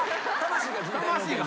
魂が。